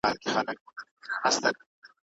تا پرون د مجلس په ترڅ کي ښه نظر ورکړ.